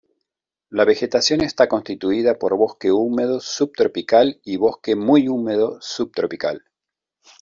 La vegetación está constituida por bosque húmedo subtropical y bosque muy húmedo subtropical.